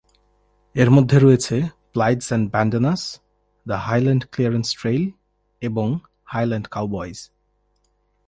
এর মধ্যে রয়েছে "plaids and bandanas", "the highland clearance trail" এবং "হাইল্যান্ড কাউবয়স"।